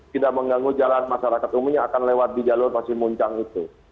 tidak mengganggu jalan masyarakat umum yang akan lewat di jalur masih muncang itu